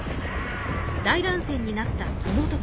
大乱戦になったその時。